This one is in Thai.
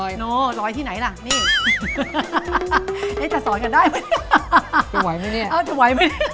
ยอดมนุษย์บ้า